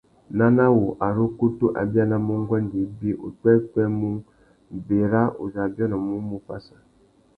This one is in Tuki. Nana wu, ari ukutu a bianamú nguêndê ibi, upwêpwê mú : Berra uzu a biônômú mú Passa.